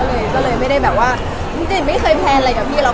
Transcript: ก็เลยไม่ได้แบบว่าจริงไม่เคยแพลนอะไรกับพี่หรอก